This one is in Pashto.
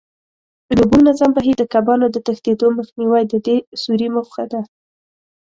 د اوبو منظم بهیر، د کبانو د تښتېدو مخنیوی د دې سوري موخه ده.